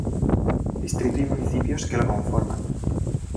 Distrito y municipios que lo conforman.